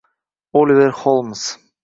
Oliver Holms